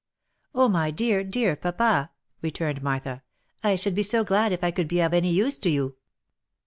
" Oh, my dear, dear papa 1" returned Martha, " I should be so glad if I could be of any use to you